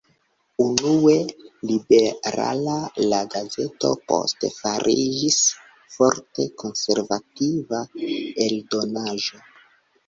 Unue liberala, la gazeto poste fariĝis forte konservativa eldonaĵo.